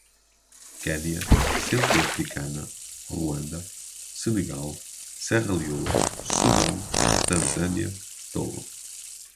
Quenia, Centro-Africana, Ruanda, Senegal, Serra Leoa, Sudão, Tanzânia, Togo